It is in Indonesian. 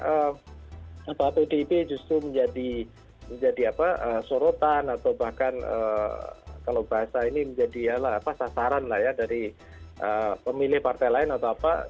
apa pdip justru menjadi sorotan atau bahkan kalau bahasa ini menjadi sasaran lah ya dari pemilih partai lain atau apa